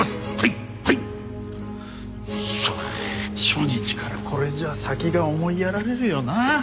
初日からこれじゃ先が思いやられるよな。